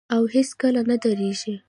او هیڅکله نه دریږي.